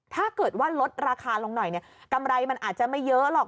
ถ้าเกิดว่าลดราคาลงหน่อยกำไรมันอาจจะไม่เยอะหรอก